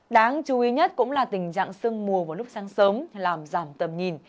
đáng chú ý nhất cũng là tình trạng sương mù vào lúc sáng sớm làm giảm tầm nhìn